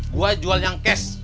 gue jual yang cash